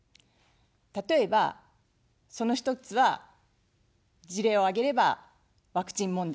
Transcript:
例えば、その１つは、事例を挙げればワクチン問題です。